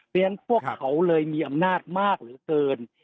เพราะฉะนั้นพวกเขาเลยมีอำนาจมากเหลือเกิน